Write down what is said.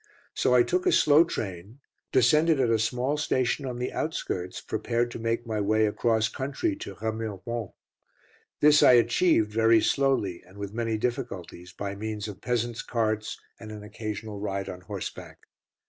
So I took a slow train, descended at a small station on the outskirts, prepared to make my way across country to Remiremont. This I achieved, very slowly, and with many difficulties, by means of peasants' carts and an occasional ride on horseback.